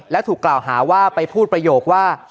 และถูกกล่าวหาว่าไปพูดประโยคว่า